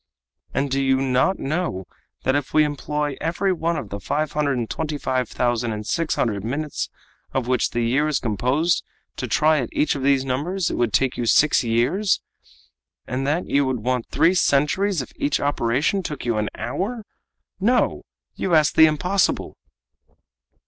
And do you not know that if we employ every one of the five hundred and twenty five thousand and six hundred minutes of which the year is composed to try at each of these numbers, it would take you six years, and that you would want three centuries if each operation took you an hour? No! You ask the impossible!"